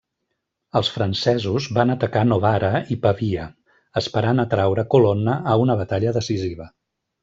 Els francesos van atacar Novara i Pavia, esperant atraure Colonna a una batalla decisiva.